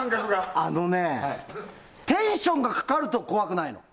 あのね、テンションがかかると怖くないの。